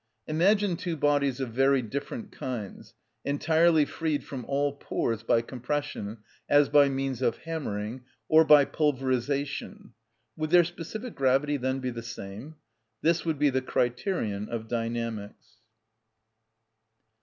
Imagine two bodies of very different kinds, entirely freed from all pores by compression, as by means of hammering, or by pulverisation;—would their specific gravity then be the same? This would be the criterion of dynamics.